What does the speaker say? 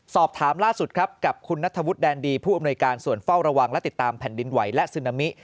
สอบถามล่าสุดครับกับคุณนัทธวุฒิแดนดีผู้อำนวยการส่วนเฝ้าระวังและติดตามแผ่นดินไหวและซึนามิ